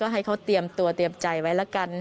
ให้เขาเตรียมตัวเตรียมใจไว้ละกัน